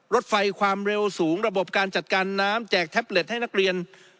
รถไฟความเร็วสูงระบบการจัดการน้ำแจกแท็บเล็ตให้นักเรียน